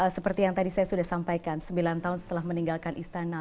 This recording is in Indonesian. seperti yang tadi saya sudah sampaikan sembilan tahun setelah meninggalkan istana